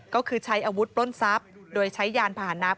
ก็คือใช้อาวุธปล้นทรัพย์โดยใช้ยานผ่านนับ